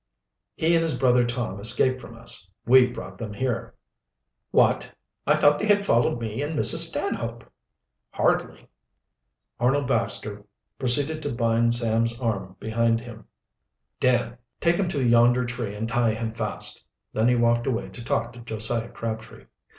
"He and his brother Tom escaped from us. We brought them here," "What! I thought they had followed me and Mrs. Stanhope." "Hardly." Arnold Baxter proceeded to bind Sam's arms behind him. "Dan, take him to yonder tree and tie him fast." Then he walked away to talk to Josiah Crabtree.